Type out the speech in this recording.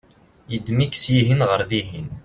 yeddem-ik syihen ɣer dihin